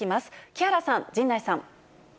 木原さん、陣内さん。